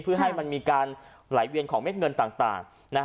เพื่อให้มันมีการไหลเวียนของเม็ดเงินต่าง